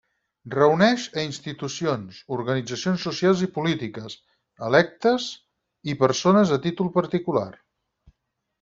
Reuneix a institucions, organitzacions socials i polítiques, electes i persones a títol particular.